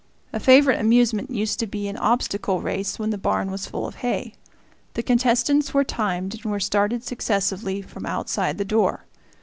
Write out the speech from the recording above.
A favorite amusement used to be an obstacle race when the barn was full of hay. The contestants were timed and were started successively from outside the door.